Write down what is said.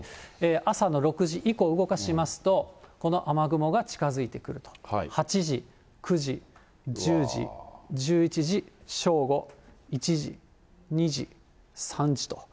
朝の６時以降、動かしますと、この雨雲が近づいてくる、８時、９時、１０時、１１時、正午、１時、２時、３時と。